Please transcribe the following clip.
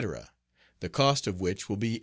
the cost of which will be $88.